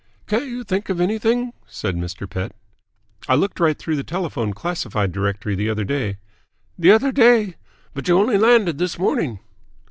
"Can't you think of anything?" said Mr. Pett. "I looked right through the telephone classified directory the other day " "The other day? But you only landed this morning."